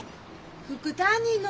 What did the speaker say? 副担任の方。